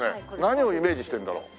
何をイメージしてるんだろう？